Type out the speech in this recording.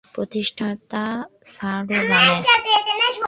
প্রতিষ্ঠাতা স্যারও এটা জানে।